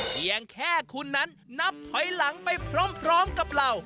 เพียงแค่คุณนั้นนับถอยหลังไปพร้อมกับเรา